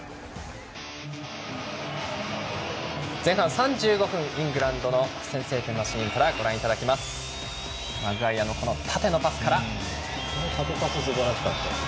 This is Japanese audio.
前半３５分、イングランドの先制点のシーンからです。